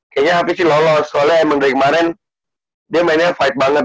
kayaknya habis sih lolos soalnya emang dari kemarin dia mainnya fight banget